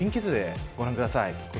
天気図でご覧ください